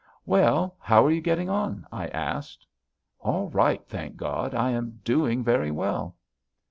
"'Well? How are you getting on?' I asked. "'All right, thank God. I am doing very well.'